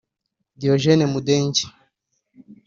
Diogène Mudenge